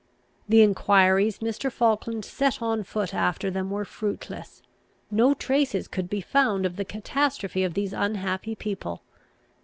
The enquiries Mr. Falkland set on foot after them were fruitless; no traces could be found of the catastrophe of these unhappy people.